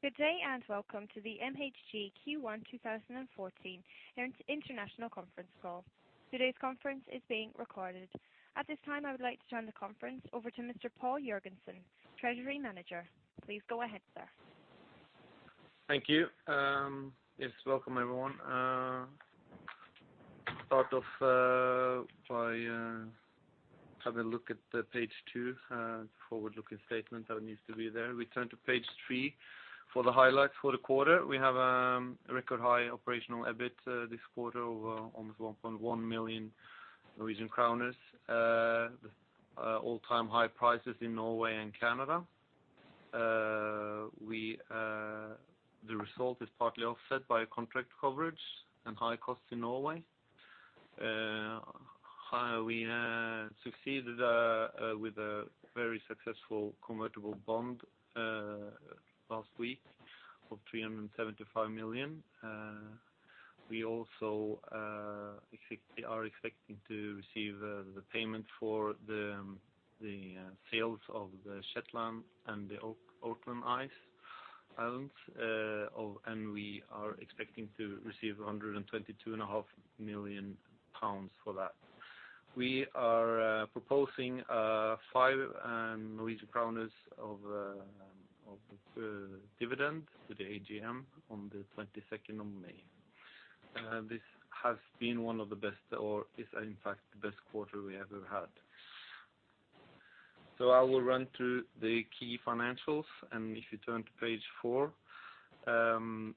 Good day, welcome to the MHG Q1 2014 International Conference Call. Today's conference is being recorded. At this time, I would like to turn the conference over to Mr. Paul Jørgensen, Treasury Manager. Please go ahead, sir. Thank you. Yes, welcome, everyone. Having a look at page two, the forward-looking statement that needs to be there. We turn to page three for the highlights for the quarter. We have a record high operational EBIT this quarter of almost 1.1 million Norwegian kroner. All-time high prices in Norway and Canada. The result is partly offset by contract coverage and high costs in Norway. We succeeded with a very successful convertible bond last week of 375 million. We also are expecting to receive the payment for the sales of the Shetland and the Orkney Islands, and we are expecting to receive 122.5 million pounds for that. We are proposing 5 of dividends to the AGM on the 22nd of May. This has been one of the best, or is in fact the best quarter we ever had. I will run through the key financials, and if you turn to page four.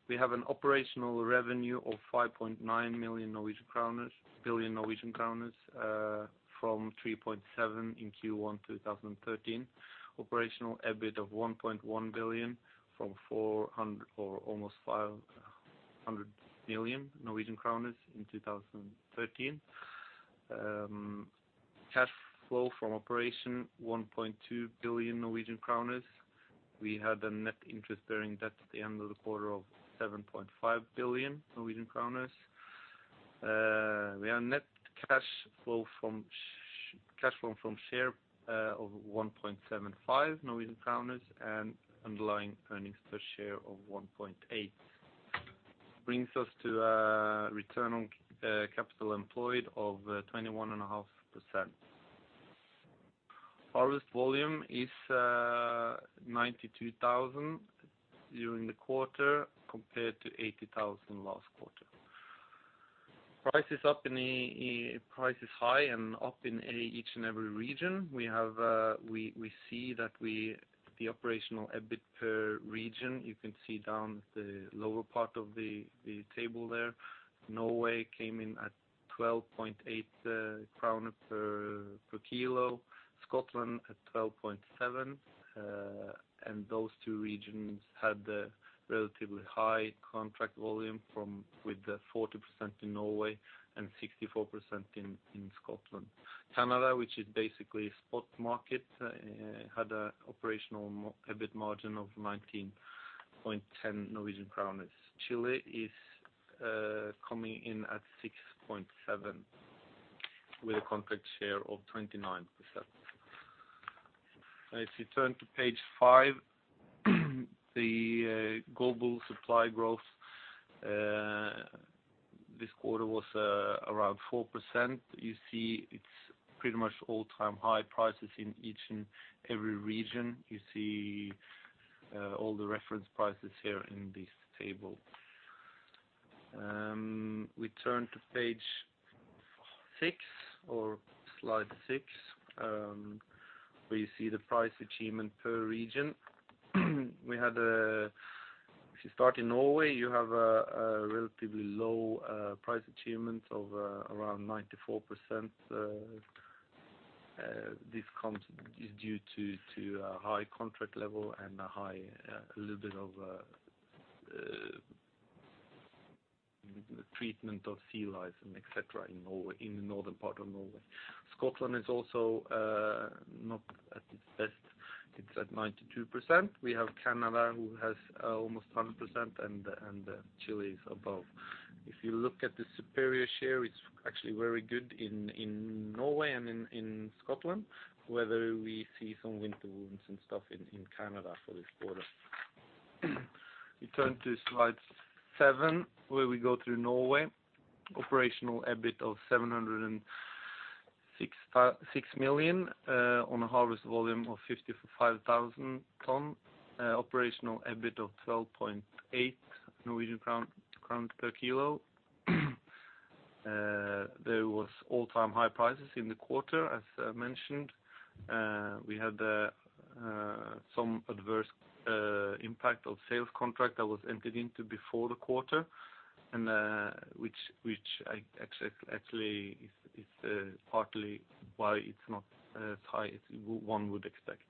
We have an operational revenue of 5.9 billion Norwegian kroner from 3.7 billion in Q1 2013. Operational EBIT of 1.1 billion from almost 500 million Norwegian kroner in 2013. Cash flow from operation, 1.2 billion. We had a net interest-bearing debt at the end of the quarter of 7.5 billion. We have net cash flow from share of 1.75 and underlying earnings per share of 1.8. Brings us to a return on capital employed of 21.5%. Harvest volume is 92,000 during the quarter, compared to 80,000 last quarter. Price is high and up in each and every region. We see that the operational EBIT per region, you can see down the lower part of the table there. Norway came in at 12.8 crown per kilo, Scotland at 12.7 NOK, and those two regions had a relatively high contract volume with the 40% in Norway and 64% in Scotland. Canada, which is basically a spot market, had an operational EBIT margin of 19.10 Norwegian crowns. Chile is coming in at 6.7 NOK with a contract share of 29%. If you turn to page five, the global supply growth this quarter was around 4%. You see it's pretty much all-time high prices in each and every region. You see all the reference prices here in this table. We turn to page six or slide six, where you see the price achievement per region. If you start in Norway, you have a relatively low price achievement of around 94%. This is due to a high contract level and a little bit of treatment of sea lice, et cetera, in the northern part of Norway. Scotland is also not at its best. It's at 92%. We have Canada, who has almost 100%, and Chile is above. If you look at the superior share, it's actually very good in Norway and in Scotland, whether we see some winter wounds and stuff in Canada for this quarter. We turn to slide seven, where we go through Norway. Operational EBIT of 706 million on a harvest volume of 55,000 ton. Operational EBIT of 12.8 Norwegian crown per kilo. There was all-time high prices in the quarter, as I mentioned. We had some adverse impact of sales contract that was entered into before the quarter, and which actually is partly why it's not as high as one would expect.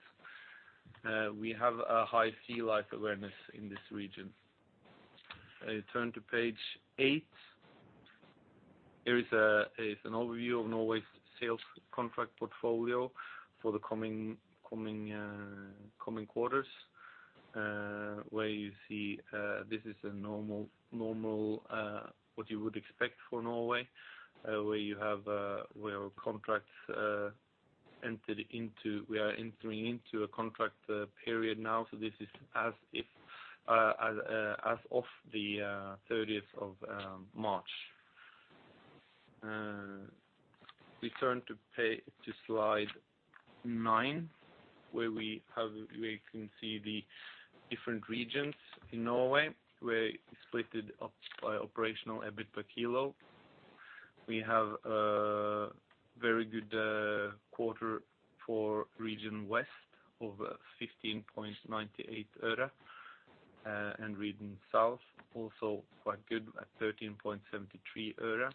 We have a high sea lice awareness in this region. If you turn to page eight. Here is an overview of Norway's sales contract portfolio for the coming quarters, where you see this is a normal, what you would expect for Norway, where our contracts entered into, we are entering into a contract period now. This is as of the 30th of March. We turn to slide nine, where you can see the different regions in Norway, where it's split by operational EBIT per kilo. We have a very good quarter for region West of NOK 0.1598, and region South also quite good at NOK 0.1373.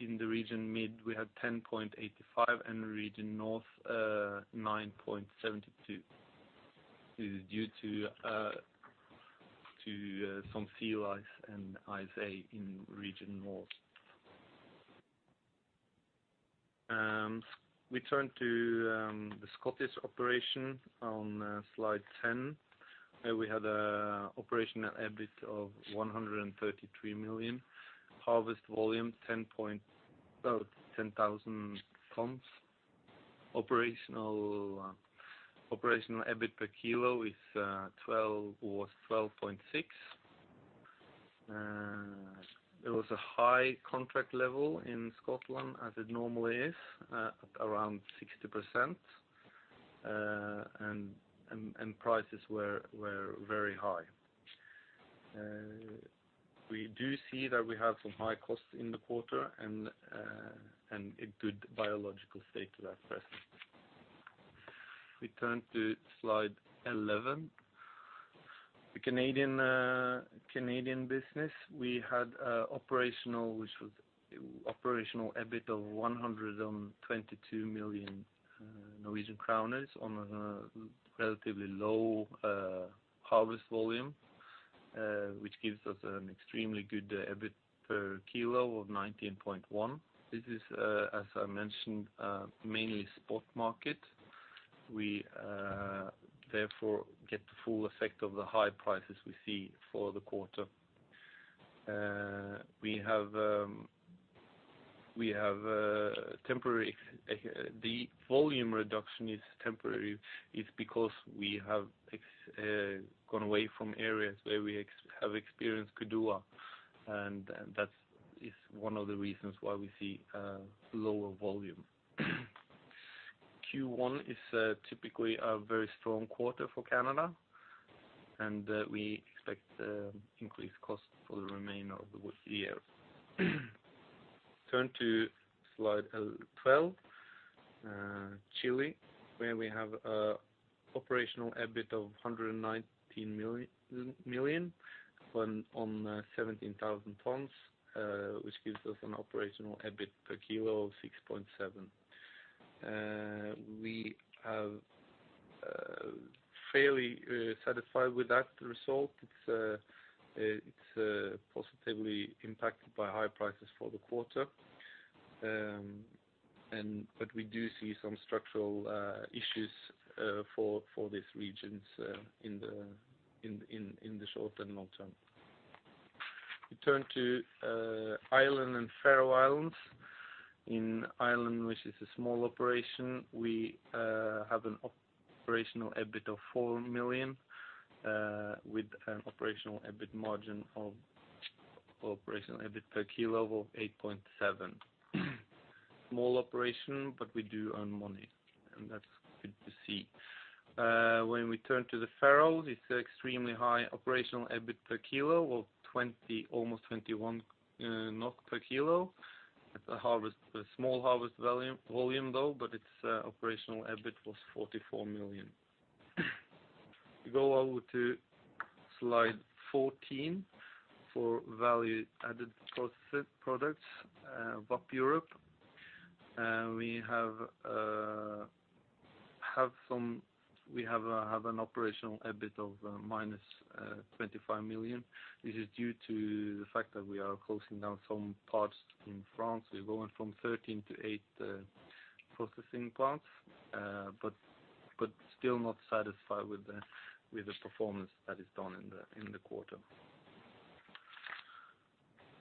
In the region Mid, we have 0.1085 and region North 0.0972. This is due to some sea lice and ISA in region North. We turn to the Scottish operation on slide 10, where we had an operational EBIT of 133 million. Harvest volume 10,000 tons. Operational EBIT per kilo was NOK 12.6. There was a high contract level in Scotland as it normally is at around 60%, and prices were very high. We do see that we have some high costs in the quarter and a good biological state to that person. We turn to slide 11. The Canadian business, we had operational EBIT of 122 million on a relatively low harvest volume, which gives us an extremely good EBIT per kilo of 19.1. This is, as I mentioned, mainly spot market. We therefore get the full effect of the high prices we see for the quarter. The volume reduction is temporary. It's because we have gone away from areas where we have experienced Kudoa and that is one of the reasons why we see lower volume. Q1 is typically a very strong quarter for Canada and we expect increased costs for the remainder of the year. Turn to slide 12. Chile, where we have operational EBIT of 119 million on 17,000 tons, which gives us an operational EBIT per kilo of 6.7. We are fairly satisfied with that result. It's positively impacted by high prices for the quarter but we do see some structural issues for this region in the short and long term. We turn to Ireland and Faroe Islands. In Ireland, which is a small operation, we have an operational EBIT of 4 million with an operational EBIT per kilo of 8.7. Small operation, but we do earn money and that's good to see. When we turn to the Faroes, it's extremely high operational EBIT per kilo of almost 21 per kilo. It's a small harvest volume though but its operational EBIT was 44 million. We go over to slide 14 for value-added processed products, VAP Europe. We have an operational EBIT of -25 million which is due to the fact that we are closing down some parts in France. We're going from 13 to 8 processing plants. Still not satisfied with the performance that is done in the quarter.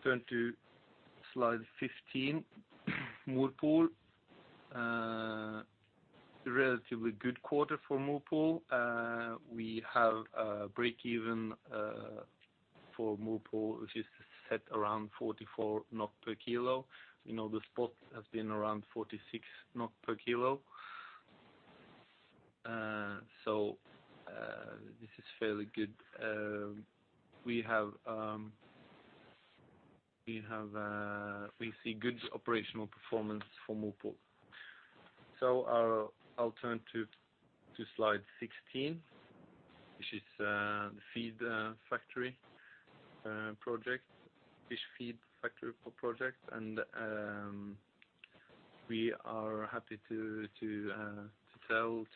Turn to slide 15. Morpol. A relatively good quarter for Morpol. We have a break-even for Morpol which is set around 44 per kilo. The spots have been around 46 per kilo. This is fairly good. We see good operational performance for Morpol I'll turn to slide 16 which is the feed factory project, fish feed factory project. We are happy to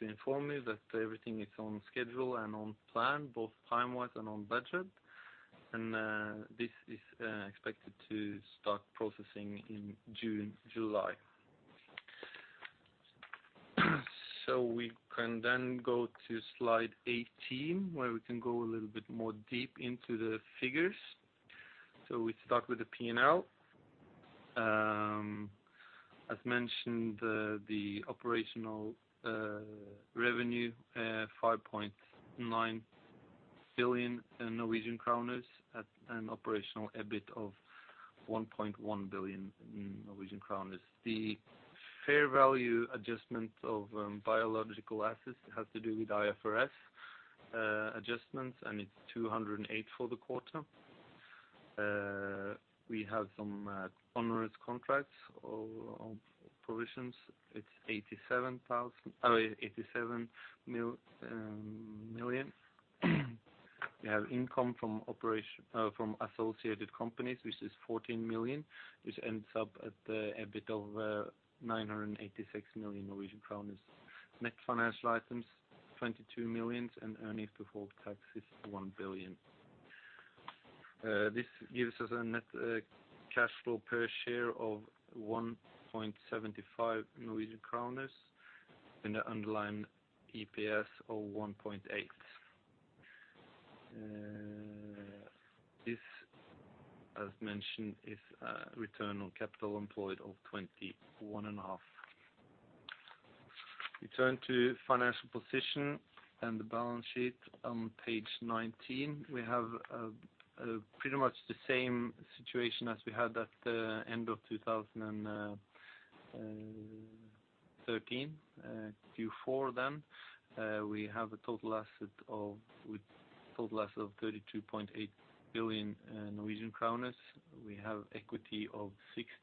inform you that everything is on schedule and on plan both time-wise and on budget. This is expected to start processing in July. We can then go to slide 18, where we can go a little bit more deep into the figures. We start with the P&L. As mentioned, the operational revenue, 5.9 billion Norwegian kroner and operational EBIT of 1.1 billion Norwegian kroner. The fair value adjustment of biological assets has to do with IFRS adjustments. It's 208 for the quarter. We have some onerous contracts on provisions. It's 87 million. We have income from associated companies, which is 14 million, which ends up at the EBIT of 986 million Norwegian crowns. Net financial items, 22 million. Earnings before taxes, 1 billion. This gives us a net cash flow per share of 1.75 and an underlying EPS of 1.8. This, as mentioned, is a return on capital employed of 21.5%. We turn to financial position and the balance sheet on page 19. We have pretty much the same situation as we had at the end of 2013, Q4 then. We have a total asset of 32.8 billion Norwegian kroner. We have equity of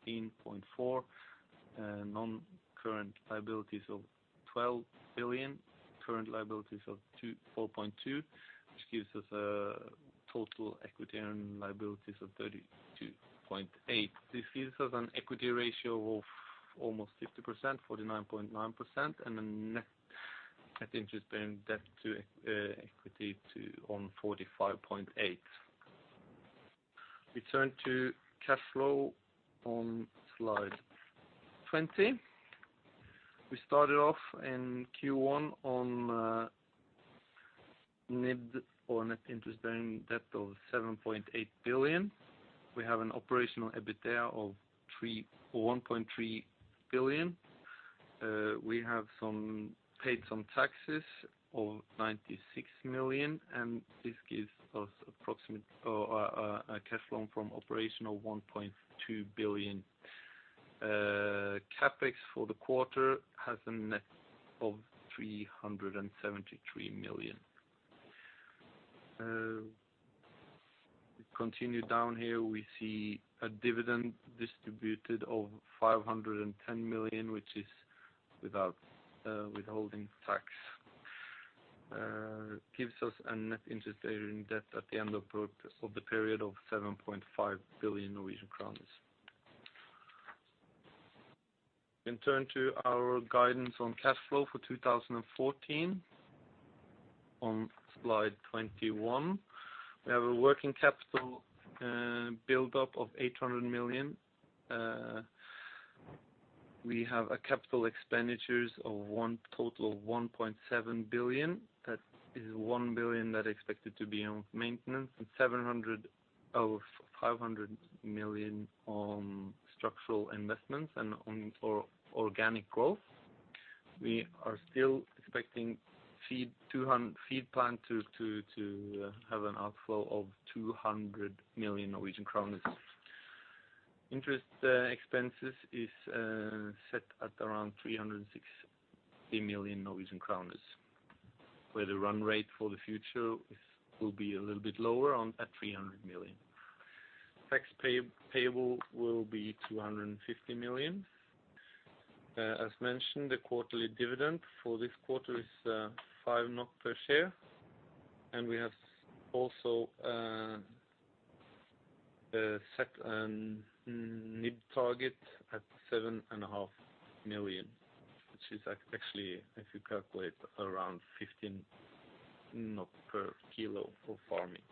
16.4 billion, non-current liabilities of 12 billion, current liabilities of 4.2 billion, which gives us a total equity and liabilities of 32.8 billion. This gives us an equity ratio of almost 50%, 49.9%, and a Net Interest-Bearing Debt to equity of 45.8%. We turn to cash flow on slide 20. We started off in Q1 on Net Interest-Bearing Debt of 7.8 billion. We have an operational EBITDA of 1.3 billion. We have paid some taxes of 96 million, and this gives us a cash flow from operation of 1.2 billion. CapEx for the quarter has a net of 373 million. We continue down here. We see a dividend distributed of 510 million, which is without withholding tax. Gives us a net interest-bearing debt at the end of the period of 7.5 billion Norwegian crowns. We turn to our guidance on cash flow for 2014 on slide 21. We have a working capital build-up of 800 million. We have a capital expenditures of total of 1.7 billion. That is 1 billion that expected to be on maintenance and 500 million on structural investments and on organic growth. We are still expecting feed plan to have an outflow of 200 million Norwegian kroner. Interest expenses is set at around 360 million Norwegian kroner, where the run rate for the future will be a little bit lower at 300 million. Tax payable will be 250 million. As mentioned, the quarterly dividend for this quarter is 5 NOK per share, and we have also set an NIBD target at 7.5 million, which is actually, if you calculate, around 15 NOK per kilo for farming.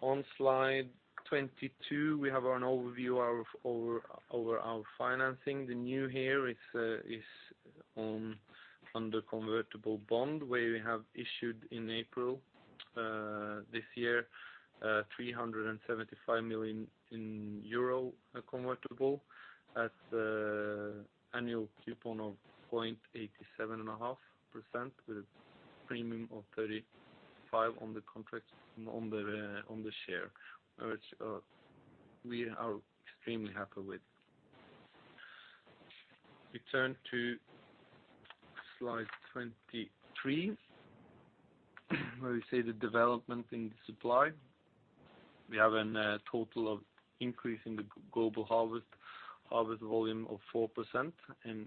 On slide 22, we have an overview over our financing. The new here is on the convertible bond, where we have issued in April this year, 375 million euro convertible at annual coupon of 0.875% with a premium of 35 on the share, which we are extremely happy with. We turn to slide 23, where we see the development in the supply. We have a total of increase in the global harvest volume of 4%,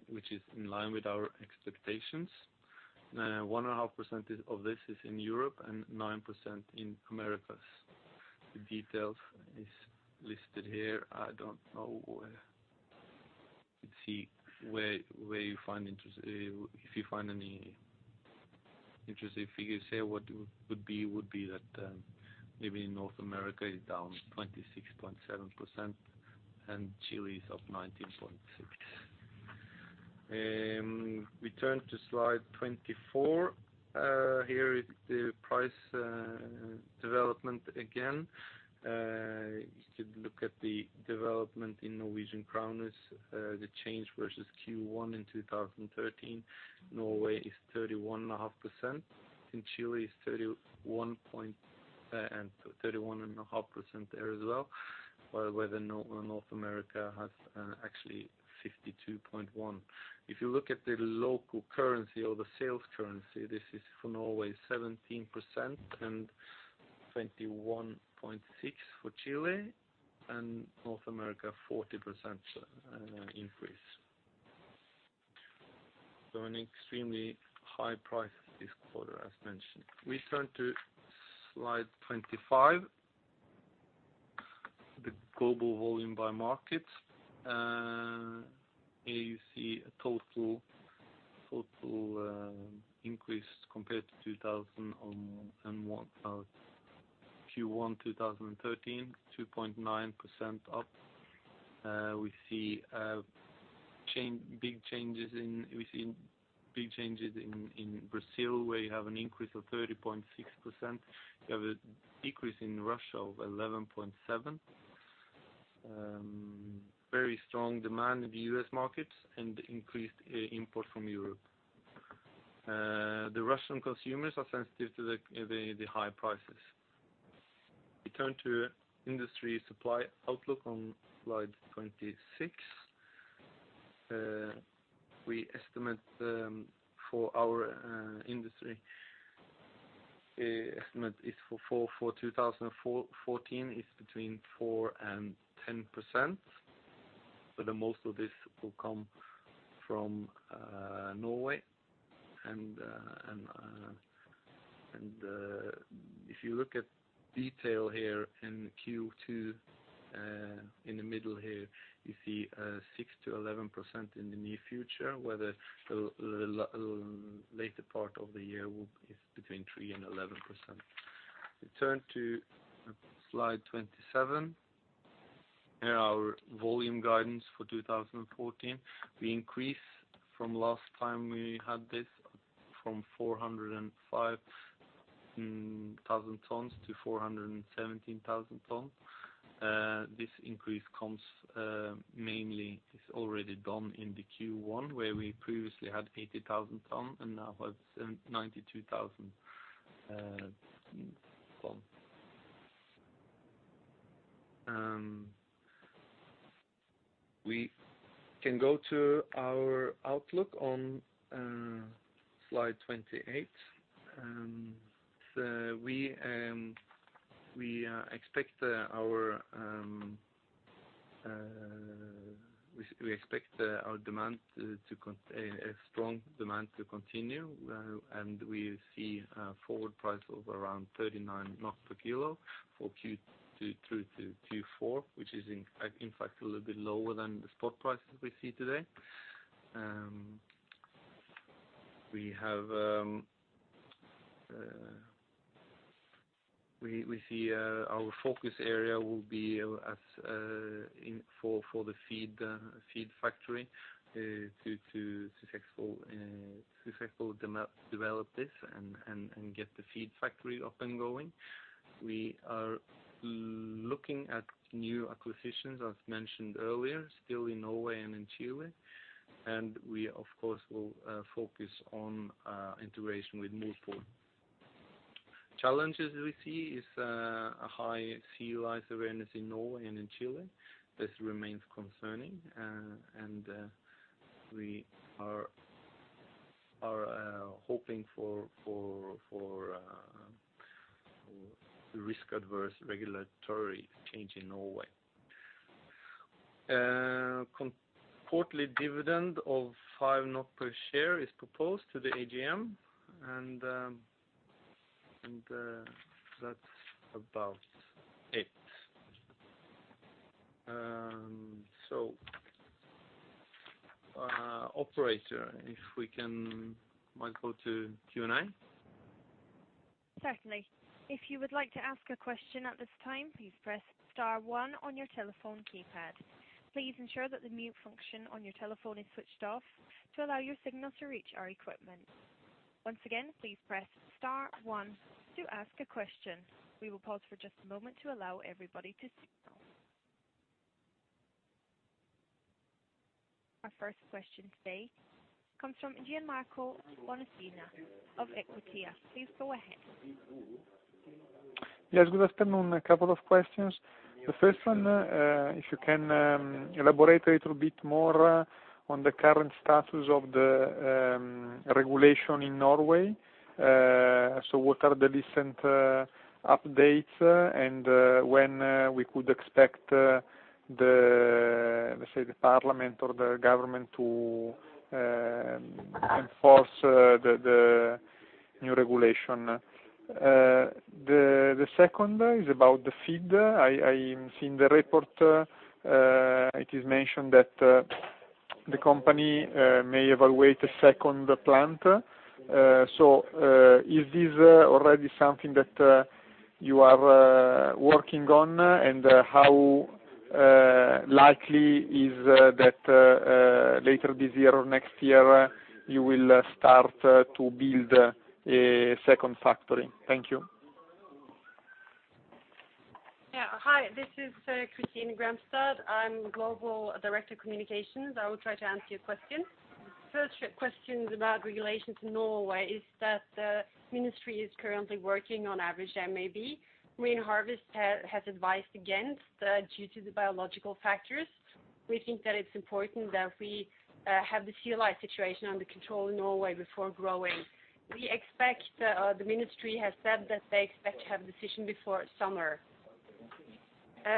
which is in line with our expectations. 1.5% of this is in Europe and 9% in Americas. The details is listed here. I don't know if you find anything interesting. If you could say what it would be, it would be that maybe North America is down 26.7% and Chile is up 19.6%. We turn to slide 24. Here is the price development again. You could look at the development in Norwegian kroner. The change versus Q1 in 2013, Norway is 31.5% and Chile is 31.5% there as well, while North America has actually 52.1%. If you look at the local currency or the sales currency, this is for Norway, 17% and 21.6% for Chile and North America, 40% increase. An extremely high price this quarter, as mentioned. We turn to slide 25, the global volume by market. Here you see a total increase compared to Q1 2013, 2.9% up. We see big changes in Brazil where you have an increase of 30.6%. You have a decrease in Russia of 11.7%. Very strong demand in the U.S. market and increased import from Europe. The Russian consumers are sensitive to the high prices. We turn to industry supply outlook on slide 26. Our industry estimate is for 2014 is between 4%-10%, but most of this will come from Norway. If you look at detail here in Q2, in the middle here, you see 6%-11% in the near future, where the later part of the year is between 3%-11%. We turn to slide 27. Our volume guidance for 2014. The increase from last time we had this from 405,000 tonnes to 417,000 tonnes. This increase is already done in the Q1, where we previously had 80,000 tons and now has 92,000 tons. We can go to our outlook on slide 28. We expect our strong demand to continue. We see forward price of around 39 per kilo for Q2 through to Q4, which is in fact a little bit lower than the spot prices we see today. We see our focus area will be for the feed factory to successfully develop this and get the feed factory up and going. We are looking at new acquisitions, as mentioned earlier, still in Norway and in Chile. We of course, will focus on integration with Morpol. Challenges we see is a high sea lice awareness in Norway and in Chile. This remains concerning. We are hoping for risk-averse regulatory change in Norway. Quarterly dividend of 5 NOK per share is proposed to the AGM, and that's about it. Operator, if we can go to Q&A. Our first question today comes from Gianmarco Bonacina of Equita SIM. Please go ahead. Yes, good afternoon. A couple of questions. The first one, if you can elaborate a little bit more on the current status of the regulation in Norway. What are the recent updates and when we could expect the, let's say, the parliament or the government to enforce the new regulation? The second is about the feed. I see in the report it is mentioned that the company may evaluate a second plant. Is this already something that you are working on, and how likely is it that later this year or next year you will start to build a second factory? Thank you. Hi, this is Kristine Gramstad. I'm the Global Director of Communications. I will try to answer your questions. Your questions about regulations in Norway is that the ministry is currently working on average MAB. Marine Harvest has advised against due to the biological factors. We think that it's important that we have the sea lice situation under control in Norway before growing. The ministry has said that they expect to have a decision before summer.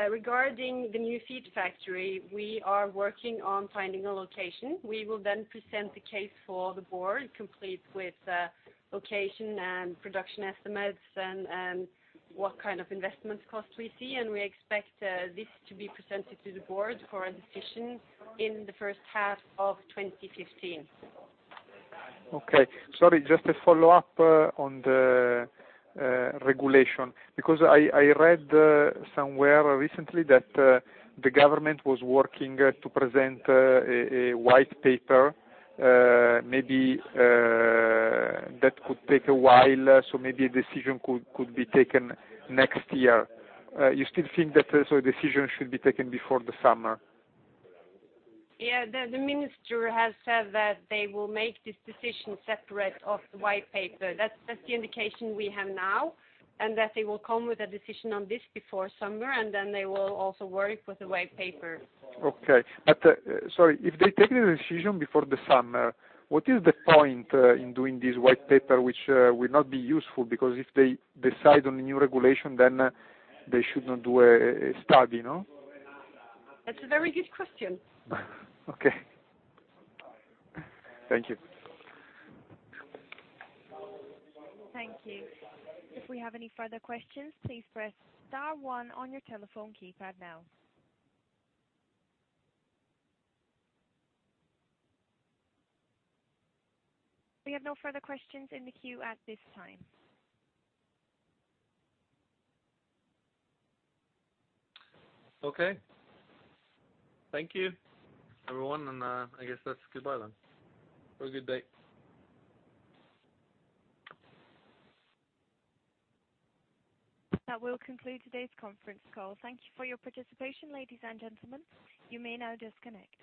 Regarding the new feed factory, we are working on finding a location. We will then present the case for the board, complete with location and production estimates and what kind of investment cost we see. We expect this to be presented to the board for a decision in the first half of 2015. Okay. Sorry, just a follow-up on the regulation, because I read somewhere recently that the government was working to present a white paper. That could take a while, so maybe a decision could be taken next year. You still think that a decision should be taken before the summer? Yeah. The minister has said that they will make this decision separate of the white paper. That's the indication we have now, and that they will come with a decision on this before summer, and then they will also work with the white paper. Okay. Sorry, if they take the decision before the summer, what is the point in doing this white paper, which will not be useful? If they decide on a new regulation, they shouldn't do a study, no? That's a very good question. Okay. Thank you. Thank you. If we have any further questions, please press star one on your telephone keypad now. We have no further questions in the queue at this time. Okay. Thank you, everyone. I guess that's goodbye then. Have a good day. That will conclude today's conference call. Thank you for your participation, ladies and gentlemen. You may now disconnect.